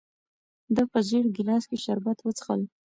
ده په زېړ ګیلاس کې شربت وڅښل.